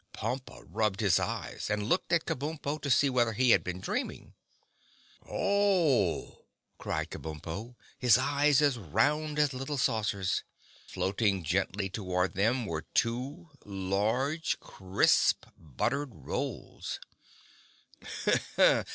Pompa rubbed his eyes and looked at Kabumpo to see whether he had been dreaming. "Oh!" cried Kabumpo, his eyes as round as little saucers. Floating gently toward them were two large, crisp, buttered rolls.